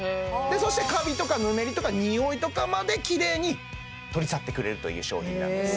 そしてカビとかぬめりとかにおいとかまできれいに取り去ってくれるという商品なんです